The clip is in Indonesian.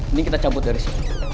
ini kita cabut dari sini